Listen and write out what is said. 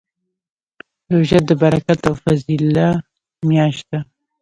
روژه د برکت او فضیله میاشت ده